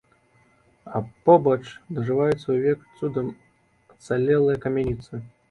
А побач дажываюць свой век цудам ацалелыя камяніцы.